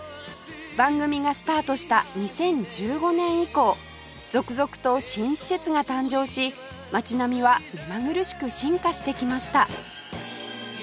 番組がスタートした２０１５年以降続々と新施設が誕生し街並みは目まぐるしく進化してきました